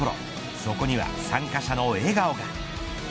そこには参加者の笑顔が。